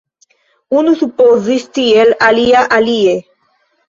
Unu supozis tiel, alia alie.